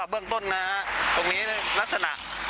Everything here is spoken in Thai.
เบื้องต้นนะตรงนี้ลักษณะ